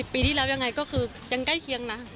ปีที่แล้วยังไงก็คือยังใกล้เคียงนะ